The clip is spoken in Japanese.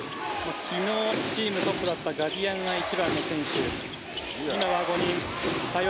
昨日、チームトップだったガディアガが１番の選手。